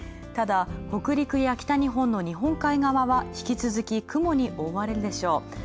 ただ、北陸や北日本の日本海側は引き続き雲に覆われるでしょう。